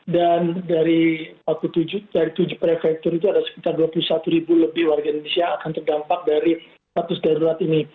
dan dari tujuh prefektur itu ada sekitar dua puluh satu lebih warga indonesia yang akan terdampak dari status darurat ini